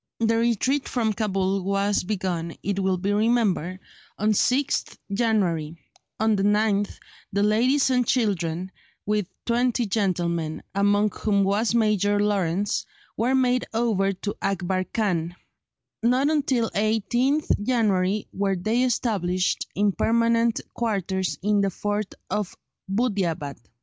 The retreat from Cabul was begun, it will be remembered, on 6th January; on the 9th the ladies and children, with twenty gentlemen, among whom was Major Lawrence, were made over to Akbar Khan; not until 18th January were they established in permanent quarters in the fort of Buddeeabad.